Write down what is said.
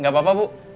gak apa apa bu